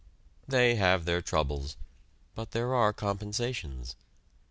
They have their troubles, but there are compensations.